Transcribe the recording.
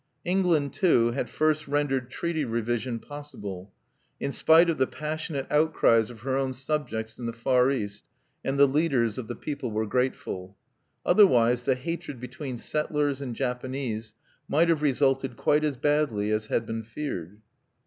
England, too, had first rendered treaty revision possible, in spite of the passionate outcries of her own subjects in the Far East; and the leaders of the people were grateful. Otherwise the hatred between settlers and Japanese might have resulted quite as badly as had been feared.